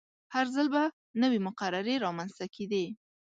هر ځل به نوې مقررې رامنځته کیدې.